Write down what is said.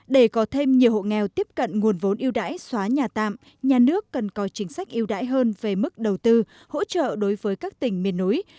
để có thêm nhiều hộ nghèo tiếp cận nguồn vốn yêu đãi xóa nhà tạm nhà nước cần có chính sách yêu đãi hơn về mức đầu tư hỗ trợ đối với các tỉnh miền núi